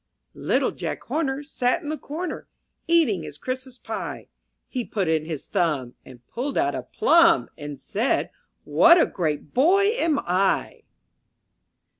T ITTLE Jack Horner *—^ Sat in the corner, Eating his Christmas pie; He put in his thumb, And pulled out a plum, And said, "What a great boy am I